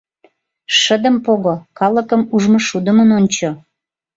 Шыдым пого, калыкым ужмышудымын ончо.